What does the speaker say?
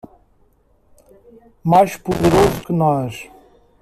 Mais poderoso que nós